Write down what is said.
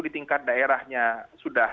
di tingkat daerahnya sudah